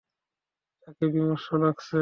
তাকে বিমর্ষ লাগছে।